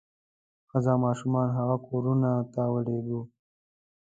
ښځې او ماشومان هغو کورونو ته ولېږو.